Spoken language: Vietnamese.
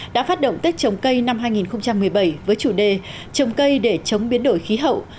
đã phát động tết trồng cây năm hai nghìn một mươi bảy với chủ đề trồng cây để chống biến đổi khí hậu